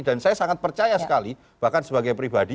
dan saya sangat percaya sekali bahkan sebagai pribadi